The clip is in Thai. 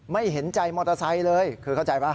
เห็นใจมอเตอร์ไซค์เลยคือเข้าใจป่ะ